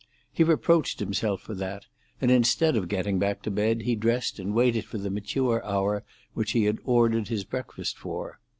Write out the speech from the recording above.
He reproached himself for that, and instead of getting back to bed, he dressed and waited for the mature hour which he had ordered his breakfast for.